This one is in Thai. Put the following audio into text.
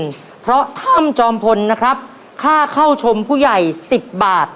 เพราะถ้ำจอมพลนะครับค่าเข้าชมผู้ใหญ่๑๐บาท